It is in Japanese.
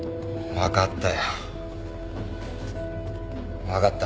分かった。